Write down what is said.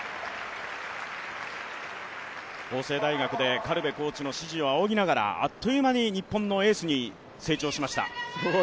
法政大学で苅部コーチの師事をあおぎながらあっという間に日本のエースに成長しました。